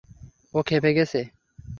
ও ক্ষেপে গেছে!